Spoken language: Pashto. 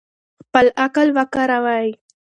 خپل عقل وکاروئ.